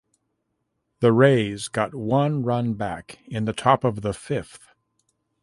The Rays got one run back in the top of the fifth.